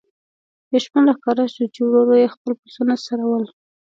یو شپون را ښکاره شو چې ورو ورو یې خپل پسونه څرول.